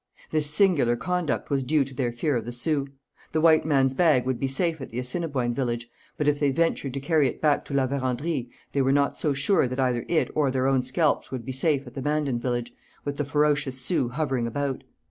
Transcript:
This singular conduct was due to their fear of the Sioux. The white man's bag would be safe at the Assiniboine village, but if they ventured to carry it back to La Vérendrye they were not so sure that either it or their own scalps would be safe at the Mandan village, with the ferocious Sioux hovering about.